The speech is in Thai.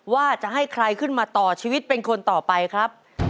ว่าจะให้ใครขึ้นมาต่อชีวิตเป็นคนต่อไปครับ